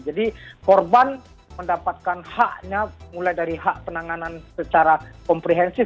jadi korban mendapatkan haknya mulai dari hak penanganan secara komprehensif